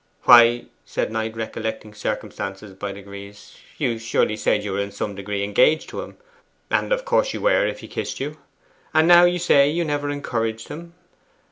'Why,' said Knight, recollecting circumstances by degrees, 'you surely said you were in some degree engaged to him and of course you were if he kissed you. And now you say you never encouraged him.